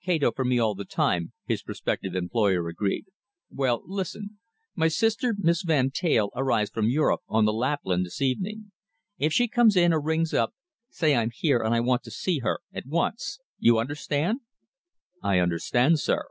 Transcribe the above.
"Kato for me all the time," his prospective employer agreed. "Well, listen. My sister, Miss Van Teyl, arrives from Europe on the Lapland this evening. If she comes in or rings up, say I'm here and I want to see her at once. You understand?" "I understand, sir."